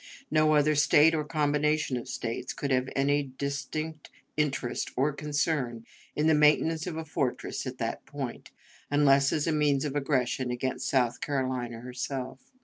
No other State or combination of States could have any distinct interest or concern in the maintenance of a fortress at that point, unless as a means of aggression against South Carolina herself.